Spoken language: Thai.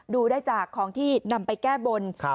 ดูได้จากของที่นำไปแก้บน